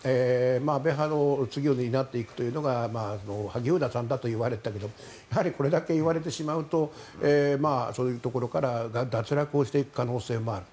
安倍派の次を担っていくというのが萩生田さんだといわれていたけどやはりこれだけ言われてしまうとそういうところから脱落をしていく可能性もある。